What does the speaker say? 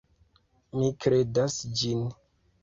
Mi kredas ĝin.